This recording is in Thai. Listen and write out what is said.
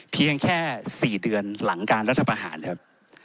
เพียงแค่๔เดือนหลังการรัฐประหารครับ